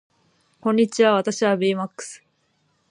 こんにちは私はベイマックス